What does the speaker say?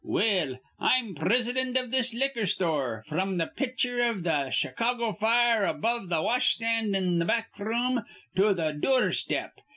Well, I'm prisidint iv this liquor store, fr'm th' pitcher iv th' Chicago fire above th' wash stand in th' back room to th' dure step.